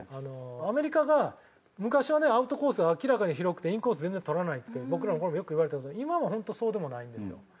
アメリカが昔はねアウトコースが明らかに広くてインコース全然取らないって僕らの頃もよく言われてたんですけど今はホントそうでもないんですよ。